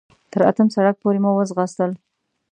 تر اتم سړک پورې مو وځغاستل.